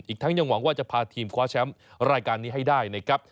ทั้งยังหวังว่าจะพาทีมคว้าแชมป์รายการนี้ให้ได้นะครับ